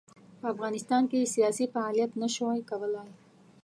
په افغانستان کې یې سیاسي فعالیت نه شوای کولای.